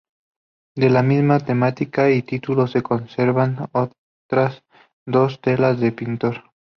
De la misma temática y título se conservan otras dos telas del pintor.